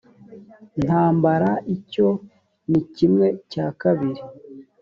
ntambara icyo ni kimwe cyakabiri